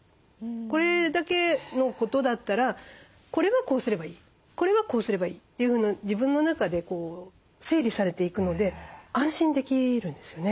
これだけのことだったらこれはこうすればいいこれはこうすればいいって自分の中で整理されていくので安心できるんですよね。